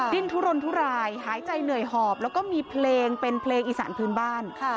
ดิ้นทุรนทุรายหายใจเหนื่อยหอบแล้วก็มีเพลงเป็นเพลงอีสานพื้นบ้าน